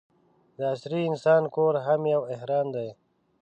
د عصري انسان کور هم یو اهرام دی.